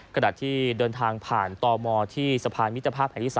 ขณะที่เดินทางผ่านตมที่สะพานมิตรภาพแห่งที่๓